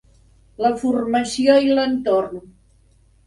La formació i l'entorn